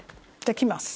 できます。